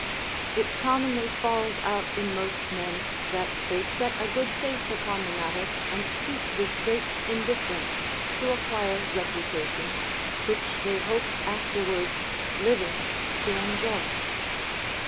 It commonly falls out in most men that they set a good face upon the matter and speak with great indifference, to acquire reputation, which they hope afterwards, living, to enjoy.